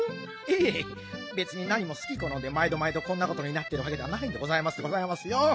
ええべつになにもすきこのんでまいどまいどこんなことになってるわけではないんでございますでございますよ。